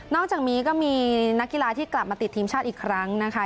อกจากนี้ก็มีนักกีฬาที่กลับมาติดทีมชาติอีกครั้งนะคะ